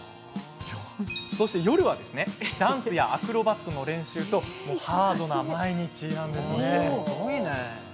そして夜はダンスやアクロバットの練習とハードな毎日なんです。